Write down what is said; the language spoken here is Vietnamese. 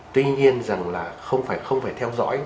tuy nhiên rằng là không phải theo dõi